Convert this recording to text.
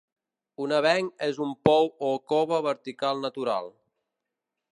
Un avenc és un pou o cova vertical natural.